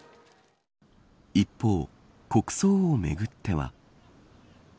一方、国葬をめぐっては。